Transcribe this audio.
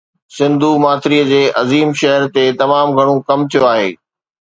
سنڌو ماٿريءَ جي عظيم شهر تي تمام گهڻو ڪم ٿيو آهي